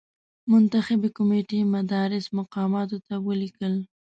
منتخبي کمېټې مدراس مقاماتو ته ولیکل.